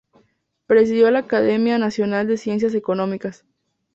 Presidió la Academia Nacional de Ciencias Económicas.